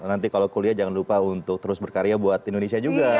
nanti kalau kuliah jangan lupa untuk terus berkarya buat indonesia juga